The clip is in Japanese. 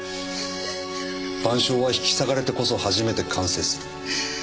『晩鐘』は引き裂かれてこそ初めて完成する。